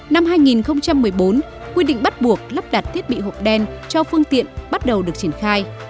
năm hai nghìn một mươi bốn quy định bắt buộc lắp đặt thiết bị hộp đen cho phương tiện bắt đầu được triển khai